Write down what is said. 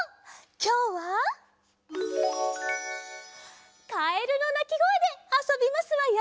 きょうはカエルのなきごえであそびますわよ。